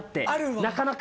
なかなか。